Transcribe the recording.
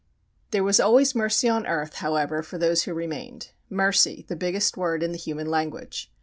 There was always mercy on earth, however, for those who remained. Mercy! The biggest word in the human language!